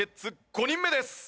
５人目です。